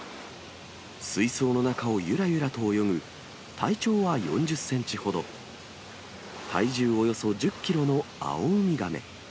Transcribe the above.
水槽の中をゆらゆらと泳ぐ、体長は４０センチほど、体重およそ１０キロのアオウミガメ。